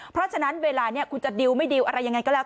เพราะฉะนั้นเวลานี้คุณจะดิวไม่ดิวอะไรยังไงก็แล้ว